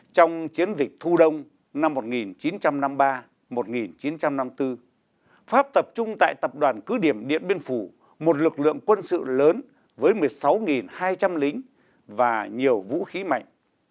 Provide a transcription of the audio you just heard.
trong chiến dịch thu đông năm một nghìn chín trăm năm mươi ba một nghìn chín trăm năm mươi bốn pháp tập trung tại tập đoàn cứ điểm điện biên phủ một lực lượng quân sự lớn với một mươi sáu hai trăm linh lính và nhiều vũ khí mạnh